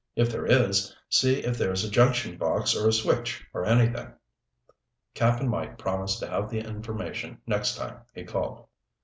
If there is, see if there's a junction box or a switch or anything." Cap'n Mike promised to have the information next time he called.